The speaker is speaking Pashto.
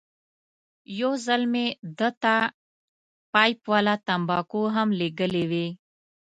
یو ځل مې ده ته پایپ والا تنباکو هم لېږلې وې.